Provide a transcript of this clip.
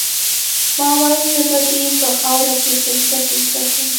ما ویل زه به دي په خاوره کي سجده سجده سم